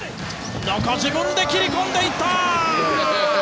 中、自分で切り込んでいった！